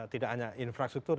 tidak hanya infrastruktur